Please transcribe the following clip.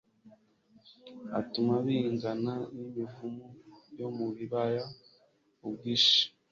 atuma bingana n'imivumu yo mu bibaya ubwinshi